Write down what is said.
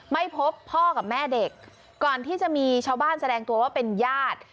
ไม่พบพ่อกับแม่เด็กก่อนที่จะมีชาวบ้านแสดงตัวว่าเป็นญาติ